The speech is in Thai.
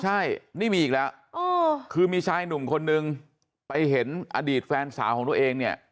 ใช่นี่มีอีกแล้วคือมีชายหนุ่มคนนึงไปเห็นอดีตแฟนสาวของตัวเองเนี่ย